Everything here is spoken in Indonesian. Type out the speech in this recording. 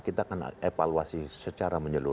kita akan evaluasi secara menyeluruh